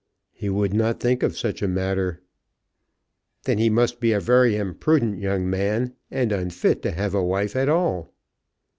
"He would not think of such a matter." "Then he must be a very imprudent young man, and unfit to have a wife at all."